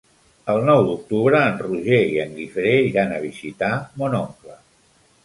El nou d'octubre en Roger i en Guifré iran a visitar mon oncle.